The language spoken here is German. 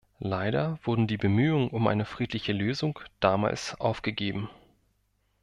Leider wurden die Bemühungen um eine friedliche Lösung damals aufgegeben.